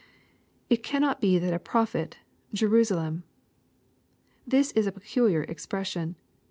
[It cannot be that a prophets Jerusalem.'] This is a peculiar expression.